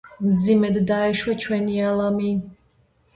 მძიმედ დაეშვა ჩვენი ალამი.